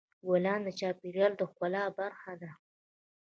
ګلان د چاپېریال د ښکلا برخه ده.